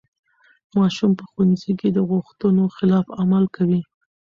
ماشوم په ښوونځي کې د غوښتنو خلاف عمل کوي.